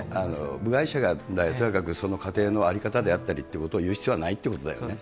部外者がとやかくその家庭の在り方であったりということを言う必要はないってことだよね。